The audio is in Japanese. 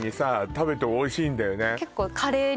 食べてもおいしいんだよね